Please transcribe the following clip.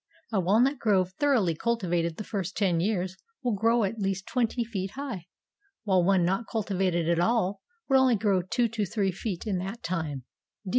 A walnut grove thoroughly cultivated the first ten years will grow at least twenty feet high, while one not cultivated at all would only grow two to three feet in that time.